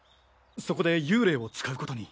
そこで幽霊を使うことに。